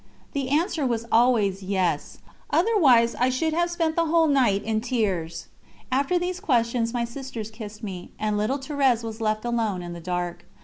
The answer was always "Yes," otherwise I should have spent the whole night in tears. After these questions my sisters kissed me, and little Thérèse was left alone in the dark.